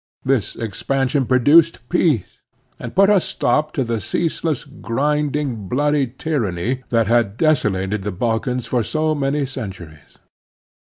This expansion produced peace, and put a stop to the ceaseless, grinding, bloody tjn^anny that had desolated the Balkans for so many centuries.